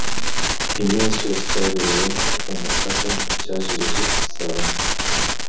iminsi yose cyabereye umusaka cyajiririje isabato